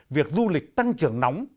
việc du lịch tăng trưởng nóng